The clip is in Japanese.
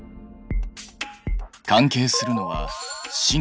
関係するのは神経。